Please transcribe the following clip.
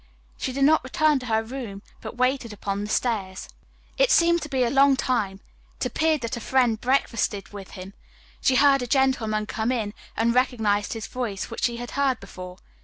She did not return to her room, but waited upon the stairs. It seemed to be a long time. It appeared that a friend breakfasted with him. She heard a gentleman come in and recognized his voice, which she had heard before.